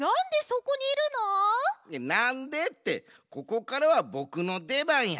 なんでってここからはボクのでばんや。